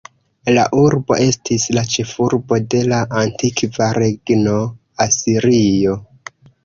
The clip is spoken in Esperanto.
La urbo estis la ĉefurbo de la antikva regno Asirio.